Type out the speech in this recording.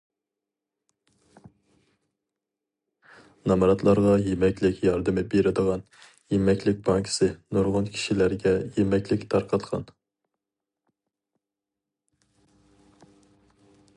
نامراتلارغا يېمەكلىك ياردىمى بېرىدىغان« يېمەكلىك بانكىسى» نۇرغۇن كىشىلەرگە يېمەكلىك تارقاتقان.